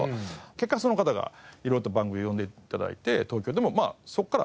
結果その方が色々と番組に呼んで頂いて東京でもまあそこから。